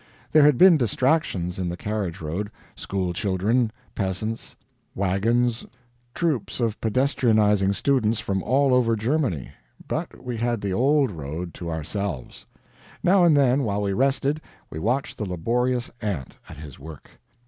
There had been distractions in the carriage road school children, peasants, wagons, troops of pedestrianizing students from all over Germany but we had the old road to ourselves. Now and then, while we rested, we watched the laborious ant at his work.